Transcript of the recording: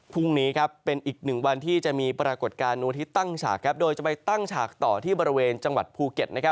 พรุ่งนี้เป็นอีกหนึ่งวันที่จะมีปรากฏการณ์วันอาทิตย์ตั้งฉากโดยจะไปตั้งฉากต่อที่บริเวณจังหวัดภูเก็ต